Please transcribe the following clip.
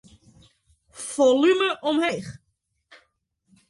Folume omheech.